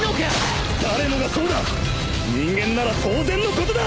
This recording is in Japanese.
人間なら当然のことだ！